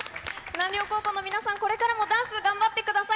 南稜高校の皆さん、これからもダンス、頑張ってください。